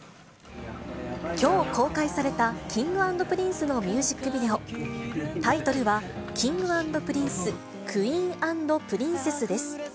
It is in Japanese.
きょう公開された、Ｋｉｎｇ＆Ｐｒｉｎｃｅのミュージックビデオ、タイトルは、Ｋｉｎｇ＆Ｐｒｉｎｃｅ，Ｑｕｅｅｎ＆Ｐｒｉｎｃｅｓｓです。